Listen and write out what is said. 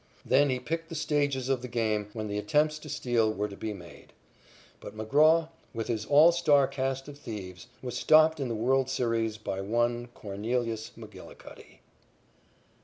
Then he picked the stages of the game when the attempts to steal were to be made. But McGraw, with his all star cast of thieves, was stopped in the world's series by one Cornelius McGillicuddy.